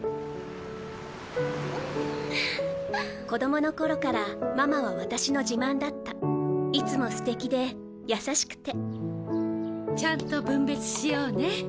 子どもの頃からママは私の自慢だったいつもすてきで優しくてちゃんと分別しようね。